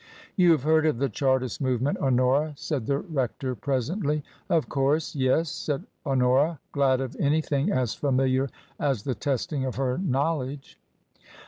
" You have heard of the Chartist movement, Honora ?" said the rector presently. " Of course ; yes," said Honora, glad of anything as familiar as the testing of her knowledge.